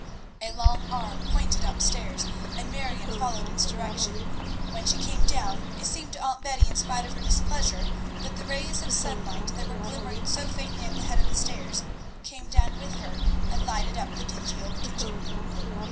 A long arm pointed up stairs, and Marion followed its direction. When she came down, it seemed to Aunt Betty, in spite of her displeasure, that the rays of sunlight that were glimmering so faintly at the head of the stairs came down with her and lighted up the dingy old kitchen.